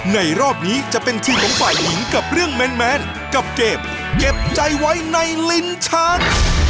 รอบนี้จะเป็นทีมของฝ่ายหญิงกับเรื่องแมนกับเกมเก็บใจไว้ในลิ้นชัก